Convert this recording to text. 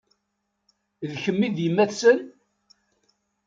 D kemm i d yemma-tsen?